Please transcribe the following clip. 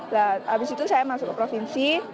nah abis itu saya masuk ke provinsi